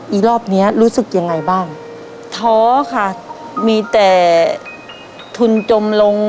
อีกรอบเนี้ยรู้สึกยังไงบ้างท้อค่ะมีแต่ทุนจมลง